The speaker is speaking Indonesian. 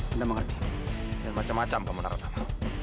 anda mengerti ada macam macam kamu narasama